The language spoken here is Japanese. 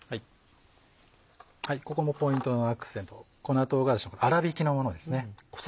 ここもポイントのアクセント粉唐辛子の粗びきのものですね。